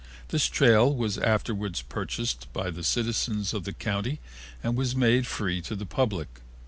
This trail was afterwards purchased by the citizens of the county and made free to the public.